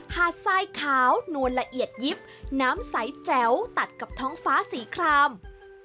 หาดทรายขาวนวลละเอียดยิบน้ำใสแจ๋วตัดกับท้องฟ้าสีคลาม